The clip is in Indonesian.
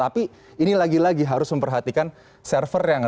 tapi ini lagi lagi harus memperhatikan server yang ada